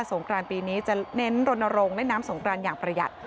งครานปีนี้จะเน้นรณรงค์เล่นน้ำสงกรานอย่างประหยัด